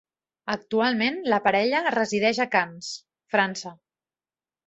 Actualment la parella resideix a Canes, França.